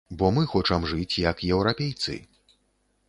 Бо мы хочам жыць як еўрапейцы.